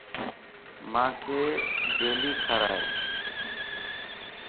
مانک جيلي کارائي